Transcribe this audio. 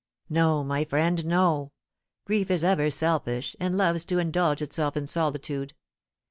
"No, my friend, no! Grief is ever selfish, and loves to indulge itself in solitude.